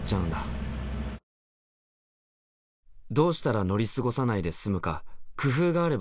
どうしたら乗り過ごさないで済むか工夫があれば教えて下さい。